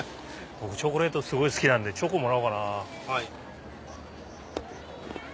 僕チョコレートすごい好きなんでチョコもらおうかな。